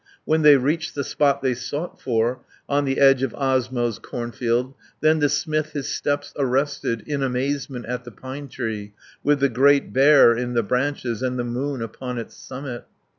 When they reached the spot they sought for, On the edge of Osmo's cornfield, Then the smith his steps arrested, In amazement at the pine tree, With the Great Bear in the branches, And the moon upon its summit.